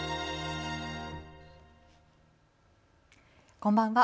こんばんは。